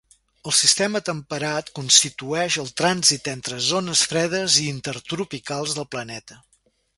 El sistema temperat constitueix el trànsit entre zones fredes i intertropicals del planeta.